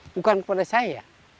bukan kepada saya